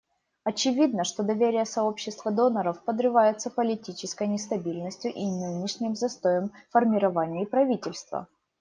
Очевидно, что доверие сообщества доноров подрывается политической нестабильностью и нынешним застоем в формировании правительства.